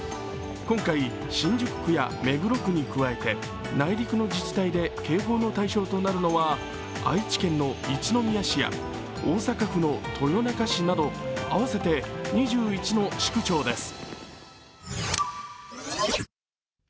今回、新宿区や目黒区に加えて内陸の自治体で警報の対象となるのは愛知県の一宮市や大阪府の豊中市など合わせて２１の市区町です。